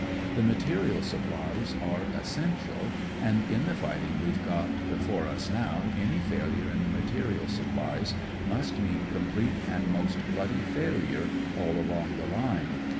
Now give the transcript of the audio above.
The material sup plies are essential, and in the fighting we've got before us now any failure in the material supplies must mean complete and most bloody failure all along the line.